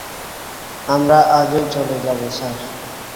আমরা আজই চলে যাবো, স্যার।